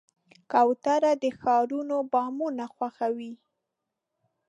کوتره د ښارونو بامونه خوښوي.